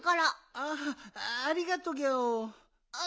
ああありがとギャオ。